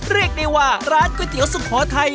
เรียกได้ว่าร้านก๋วยเตี๋ยวสุโขทัย